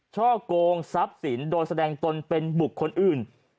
ช่อโกงซับสินโดยแสดงตนเป็นบุกคนอื่น